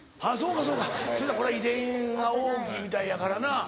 あっそうかそうかこれは遺伝が大きいみたいやからな。